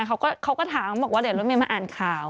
เขาก็ถามบอกว่าเดี๋ยวรถเมย์มาอ่านข่าว